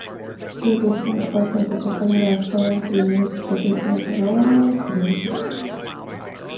Three distinct versions of the calendar are currently in use by different Zoroastrian communities.